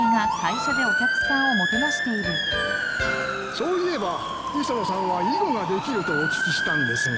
そういえば磯野さんは囲碁ができるとお聞きしたんですが。